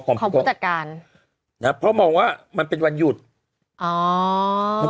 ของผู้จัดการนะเพราะมองว่ามันเป็นวันหยุดอ๋อ